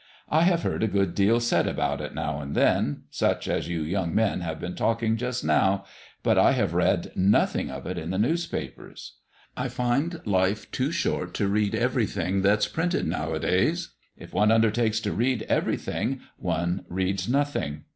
I have heard a good deal said about it now and then such as you young men have been talking just now but I have read nothing of it in the newspapers. I find life too short to read everything that's printed nowadays. If one undertakes to read everything, one reads nothing.